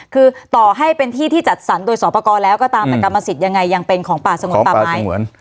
คือต่อให้เป็นที่ที่จัดสรรโดยสอบประกอบแล้วก็ตามแต่กรรมสิทธิ์ยังไงยังเป็นของป่าสงวนป่าไม้